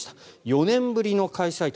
４年ぶりの開催。